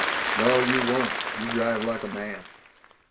"No. You won't. You drive like a man."